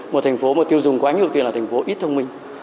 một thành phố mà tiêu dùng quá nhiều kia là thành phố ít thông minh